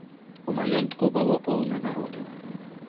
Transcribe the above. У маёнтку было поўна народу.